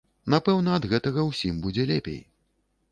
Напэўна, ад гэтага ўсім будзе лепей.